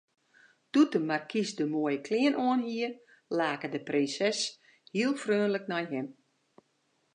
Doe't de markys de moaie klean oanhie, lake de prinses heel freonlik nei him.